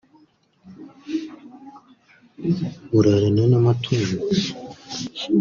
urarana n’amatungo